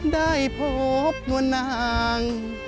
ได้พบหนัง